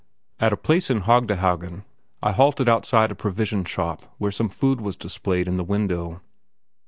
At a place in Haegdehaugen I halted outside a provision shop where some food was displayed in the window.